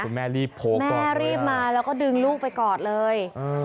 คุณแม่รีบโผล่กอดเลยแม่รีบมาแล้วก็ดึงลูกไปกอดเลย